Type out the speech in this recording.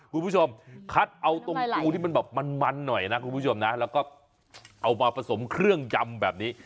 ครูผู้ชมคัดเอาตำปูที่มันมันหน่อยนะแล้วก็เอามาผสมเครื่องจำแบบนี้